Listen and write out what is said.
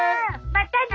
またね！